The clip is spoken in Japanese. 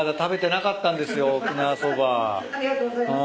ありがとうございます。